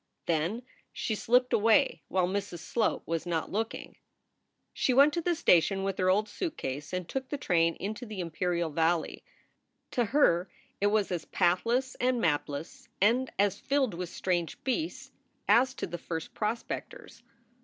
Then she slipped away while Mrs. Sloat was not looking. She went to the station with her old suitcase and took the train into the Imperial Valley. To her it was as pathless and mapless and as filled with strange beasts as to the first prospectors.